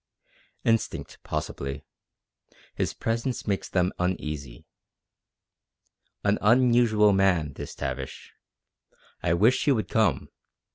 Instinct, possibly. His presence makes them uneasy. An unusual man, this Tavish. I wish he would come.